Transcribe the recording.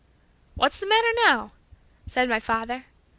"What's the matter now?" said my father.